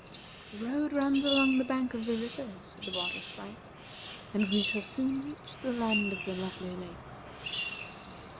"The road runs along the bank of the river," said the Water Sprite; "and we shall soon reach the Land of the Lovely Lakes."